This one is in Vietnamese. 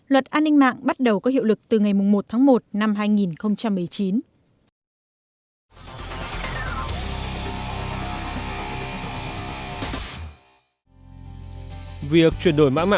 luật an ninh mạng bắt đầu có hiệu lực từ ngày một tháng một năm hai nghìn một mươi chín